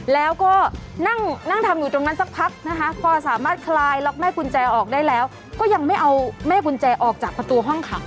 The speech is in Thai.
แล้วก็นั่งทำอยู่ตรงนั้นสักพักนะคะพอสามารถคลายล็อกแม่กุญแจออกได้แล้วก็ยังไม่เอาแม่กุญแจออกจากประตูห้องขัง